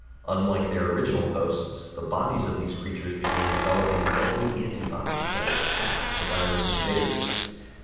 Unlike their original hosts, the bodies of these creatures began developing deadly antibodies that attacked the virus invaders.